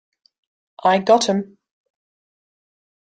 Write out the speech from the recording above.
I got 'em!